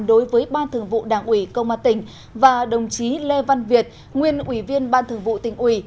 đối với ban thường vụ đảng hủy công an tình và đồng chí lê văn việt nguyên ủy viên ban thường vụ tình hủy